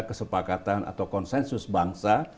kesepakatan atau konsensus bangsa